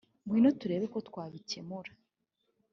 Ngwino turebe ko twabikemura